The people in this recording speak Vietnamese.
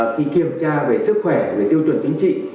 khi kiểm tra về sức khỏe về tiêu chuẩn chính trị